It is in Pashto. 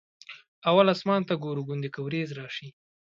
اول اسمان ته ګورو ګوندې که ورېځ راشي.